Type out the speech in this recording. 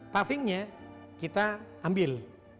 pavingnya kita ambil